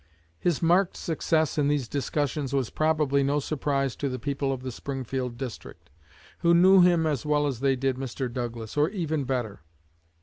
His marked success in these discussions was probably no surprise to the people of the Springfield district, who knew him as well as they did Mr. Douglas, or even better.